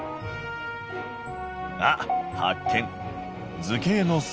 あっ発見！